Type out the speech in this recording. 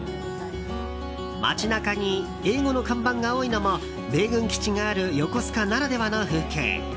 街中に英語の看板が多いのも米軍基地がある横須賀ならではの風景。